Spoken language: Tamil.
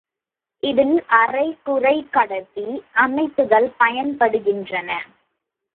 இதில் அரை குறைக்கடத்தி அமைப்புகள் பயன்படுகின்றன.